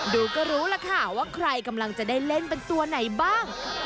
ดูก็รู้ล่ะค่ะว่าใครกำลังจะได้เล่นเป็นตัวไหนบ้าง